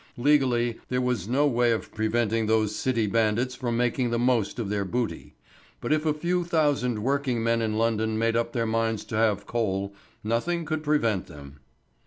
Legally, there was no way of preventing those City bandits from making the most of their booty. But if a few thousand working men in London made up their minds to have coal, nothing could prevent them.